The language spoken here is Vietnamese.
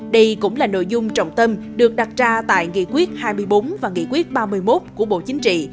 đây cũng là nội dung trọng tâm được đặt ra tại nghị quyết hai mươi bốn và nghị quyết ba mươi một của bộ chính trị